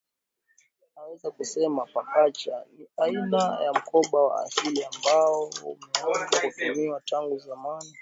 Naweza kusema pakacha ni aina ya mkoba wa asili ambao umeanza kutumiwa tangu zamani